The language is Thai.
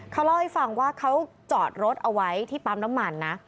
เขาเล่าให้ฟังว่าเขาจอดรถเอาไว้ที่ปั๊มน้ำมันนะ